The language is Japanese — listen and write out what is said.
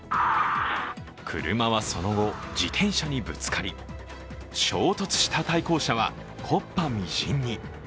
車はその後、自転車にぶつかり、衝突した対向車は木っ端みじんに。